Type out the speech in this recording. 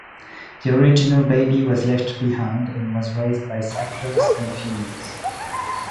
The original baby was left behind, and was raised by Cyclops and Phoenix.